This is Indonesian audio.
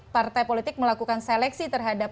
partai politik melakukan seleksi terhadap